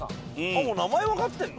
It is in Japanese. あっもう名前わかってんの？